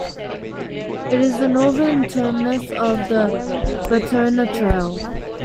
It is the northern terminus of the Batona Trail.